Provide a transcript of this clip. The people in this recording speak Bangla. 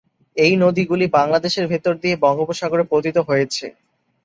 এই নদীগুলি বাংলাদেশের ভেতর দিয়ে বঙ্গোপসাগরে পতিত হয়েছে।